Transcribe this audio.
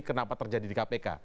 kenapa terjadi di kpk